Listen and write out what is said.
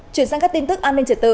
chuyển sang các tin tức an ninh trẻ tự